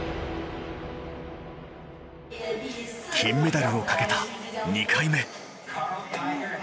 金メダルをかけた２回目。